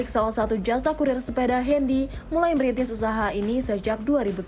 salah satu jasa kurir sepeda hendy mulai merintis usaha ini sejak dua ribu tujuh belas